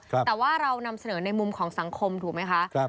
แต่ว่าเรานำเสนอในมุมของสังคมถูกไหมคะ